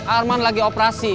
arman lagi operasi